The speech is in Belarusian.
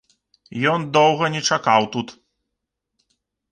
Ён доўга не чакаў тут.